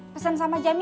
pesen sama jamila